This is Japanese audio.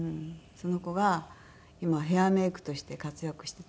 その子が今ヘアメイクとして活躍してて。